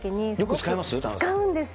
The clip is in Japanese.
よく使います？